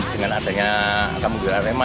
dengan adanya kampung biru arema